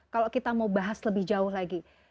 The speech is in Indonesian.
kalau kita mau bahas lebih jauh lagi